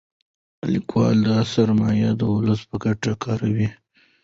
لیکوال دا سرمایه د ولس په ګټه کاروي.